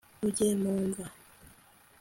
ujye mu mva